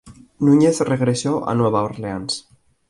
Nuñez regresó a Nueva Orleans.